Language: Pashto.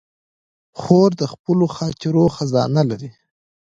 خور د خپلو خاطرو خزانه لري.